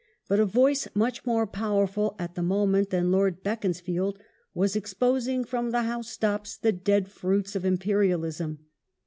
But a voice much more power ful at the moment than Lord Beaconsfield's was exposing fi'om the house tops the dead fruits of Imperialism.